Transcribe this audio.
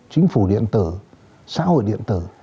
chính phủ điện tử xã hội điện tử